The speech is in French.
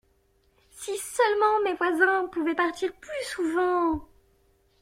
Si seulement mes voisins pouvaient partir plus souvent.